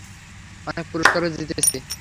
অনেক পুরস্কারও জিতেছি।